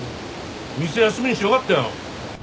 店休みにしてよかったよ。